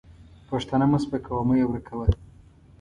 پښتانه مه سپکوه او مه یې ورکوه.